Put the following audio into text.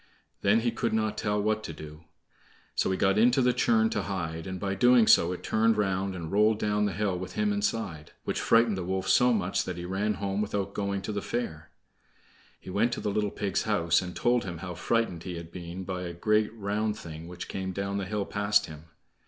Then he could not tell what to do. So he got into the churn to hide, and by so doing it turned round, and rolled down the hill with him inside, which frightened the wolf so much that he ran home without going to the fair. He went to the little pig's house, and told him how frightened he had been by a great round thing which came down the hill past him.